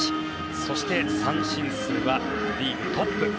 そして、三振数はリーグトップ。